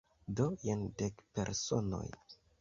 Do jen dek personoj.